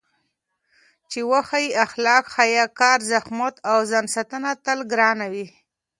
چې وښيي اخلاق، حیا، کار، زحمت او ځانساتنه تل ګران وي.